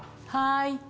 はい。